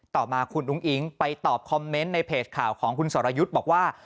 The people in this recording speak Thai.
ต่อมาคุณอุ้งอิ๊งไปตอบคอมเมนต์ในเพจข่าวของคุณสรยุทธ์บอกว่า